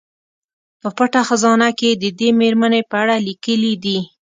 په پټه خزانه کې یې د دې میرمنې په اړه لیکلي دي.